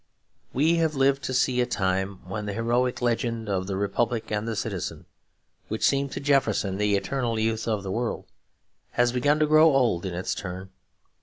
We have lived to see a time when the heroic legend of the Republic and the Citizen, which seemed to Jefferson the eternal youth of the world, has begun to grow old in its turn.